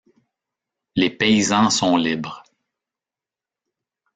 Les paysans sont libres.